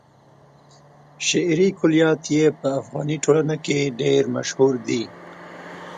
شعري کلیات يې په افغاني ټولنه کې ډېر مشهور دي.